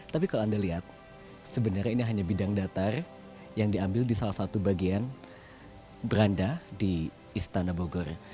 tapi kalau anda lihat sebenarnya ini hanya bidang datar yang diambil di salah satu bagian beranda di istana bogor